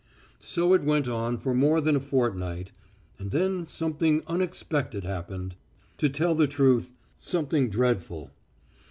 So it went on for more than a fortnight, and then something unexpected happened to tell the truth, something dreadful.